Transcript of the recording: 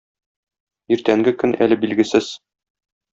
Иртәнге көн әле билгесез.